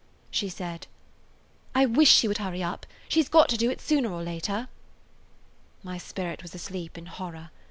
She said: "I wish she would hurry up. She 's got to do it sooner or later." My spirit was asleep in horror.